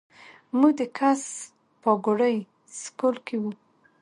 مونږ د کس پاګوړۍ سکول کښې وو